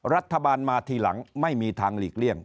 รัฐบาลมาทีหลังไม่มีทางหลีกเลี่ยง